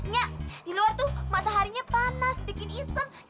nya di luar tuh mataharinya panas bikin hitam